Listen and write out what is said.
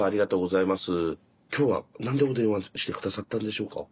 きょうは何でお電話して下さったんでしょうか？